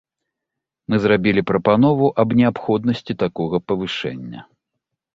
Мы зрабілі прапанову аб неабходнасці такога павышэння.